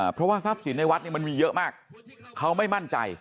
เพราะว่าทรัพย์สินในวัดเนี่ยมันมีเยอะมากเขาไม่มั่นใจ